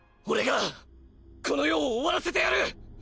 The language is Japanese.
オレがこの世を終わらせてやる！！